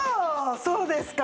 そうですか。